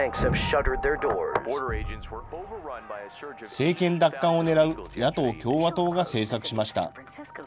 政権奪還をねらう野党・共和党が制作しました。